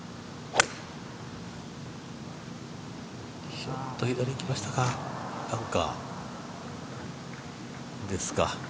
ちょっと左いきましたかバンカーですか。